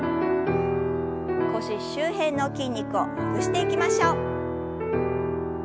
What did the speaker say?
腰周辺の筋肉をほぐしていきましょう。